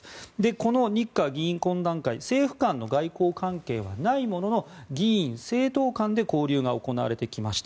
この日華議員懇談会政府間の外交関係はないものの議員・政党間で交流が行われてきました。